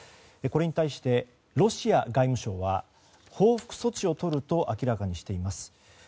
これに対してロシア外務省は報復措置をとると明らかにしています。